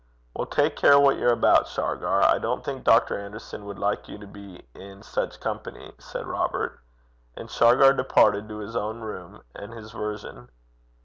'Well, take care what you're about, Shargar. I don't think Dr. Anderson would like you to be in such company,' said Robert; and Shargar departed to his own room and his version.